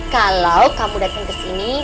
kalau kamu datang ke sini